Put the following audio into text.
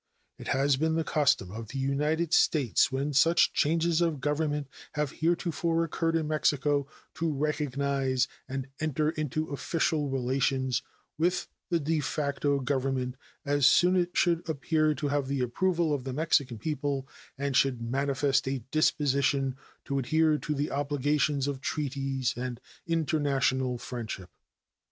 It has been the custom of the United States, when such changes of government have heretofore occurred in Mexico, to recognize and enter into official relations with the de facto government as soon as it should appear to have the approval of the Mexican people and should manifest a disposition to adhere to the obligations of treaties and international friendship.